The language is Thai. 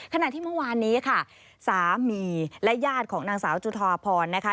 ขณะที่เมื่อวานนี้ค่ะสามีและญาติของนางสาวจุธาพรนะคะ